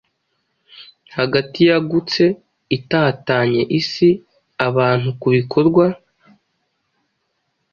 Hagati yagutse-itatanye isi-abantukubikorwa